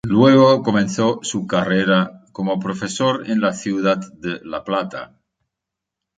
Luego comenzó su carrera como profesor en la ciudad de La Plata.